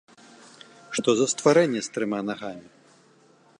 Што за стварэнне з трыма нагамі?